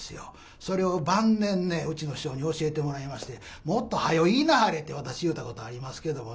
それを晩年ねうちの師匠に教えてもらいまして「もっと早よ言いなはれ」って私言うたことありますけどもね。